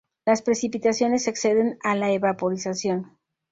Las precipitaciones exceden a la evaporación.